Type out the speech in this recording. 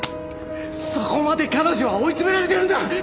そこまで彼女は追い詰められてるんだ！